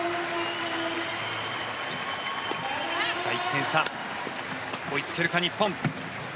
１点差追いつけるか、日本。